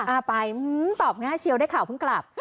อ่าไปตอบง่ายเชียวได้ข่าวเพิ่งกลับ